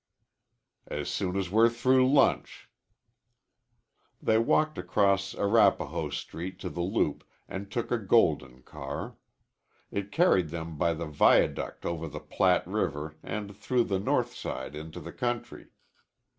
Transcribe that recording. "As soon as we're through lunch." They walked across along Arapahoe Street to the loop and took a Golden car. It carried them by the viaduct over the Platte River and through the North Side into the country.